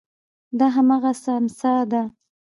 دا هماغه څمڅه ده.